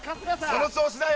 その調子だよ。